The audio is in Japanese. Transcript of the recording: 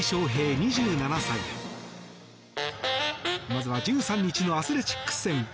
まずは１３日のアスレチックス戦。